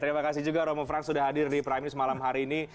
terima kasih juga romo frank sudah hadir di primus malam hari ini